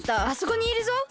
あそこにいるぞ！